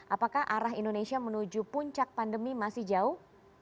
apakah arah indonesia menuju puncak pandemi masih jauh